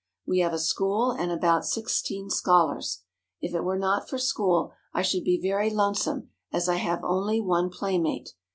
We have a school, and about sixteen scholars. If it were not for school I should be very lonesome, as I have only one playmate.